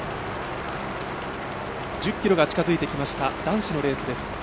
１０ｋｍが近づいてきました男子のレースです。